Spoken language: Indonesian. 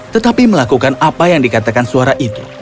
tetapi melakukan apa yang dikatakan suara itu